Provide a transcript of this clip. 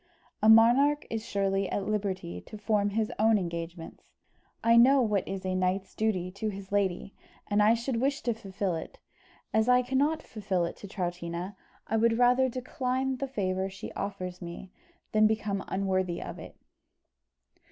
"A monarch is surely at liberty to form his own engagements. I know what is a knight's duty to his lady, and should wish to fulfil it; as I cannot fulfil it to Troutina, I would rather decline the favour she offers me than become unworthy of it."